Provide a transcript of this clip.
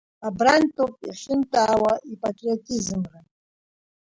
Абрантәоуп иахьынтәаауа ипатриотизмра…